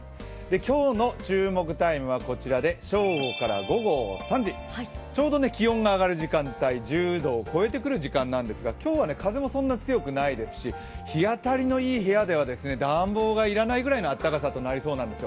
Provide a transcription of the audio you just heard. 今日の注目タイムは正午から午後３時、ちょうど気温が上がる時間帯、１０度を超えてくる時間なんですが今日は風もそんなに強くないですし日当たりのいい部屋では暖房が要らないぐらいの暖かさとなりそうなんですよ。